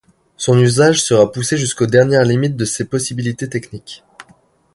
Son usage sera poussé jusqu'aux dernières limites de ses possibilités techniques.